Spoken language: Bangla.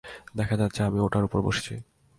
দেখা যাচ্ছে আমি ওটার ওপর বসেছি।